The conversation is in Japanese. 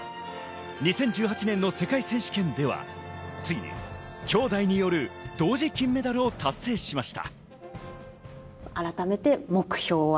２０１８年の世界選手権では、ついに兄妹による同時、金メダルを達成しました。